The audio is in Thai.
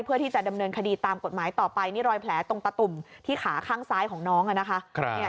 เพื่อที่จะดำเนินคดีตามกฎหมายต่อไปนี่รอยแผลตรงตะตุ่มที่ขาข้างซ้ายของน้องนะคะ